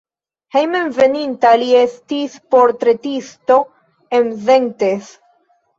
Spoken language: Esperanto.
Hejmenveninta li estis portretisto en Szentes.